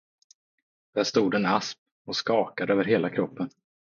Där stod en asp och skakade över hela kroppen.